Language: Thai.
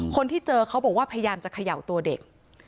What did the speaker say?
คนที่เจอเขาบอกว่าพยายามจะเขย่าตัวเด็ก